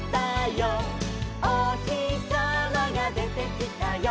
「おひさまがでてきたよ」